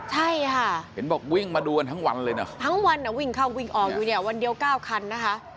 ใช่ค่ะเห็นบอกวิ่งมาดูกันทั้งวันเลยนะทั้งวันวิ่งเข้าวิ่งออกอยู่เนี่ยวันเดียว๙คันนะคะ